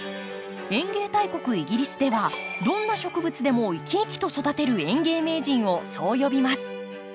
園芸大国イギリスではどんな植物でも生き生きと育てる園芸名人をそう呼びます。